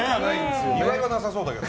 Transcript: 岩井はなさそうだけど。